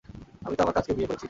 আমি তো আমার কাজকে বিয়ে করেছি!